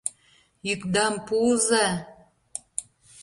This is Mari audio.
ЙӰКДАМ ПУЫЗА!